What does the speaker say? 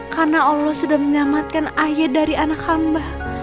karena allah sudah menyelamatkan ayah dari anak hamba